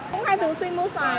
mình hay thường xuyên mua xoài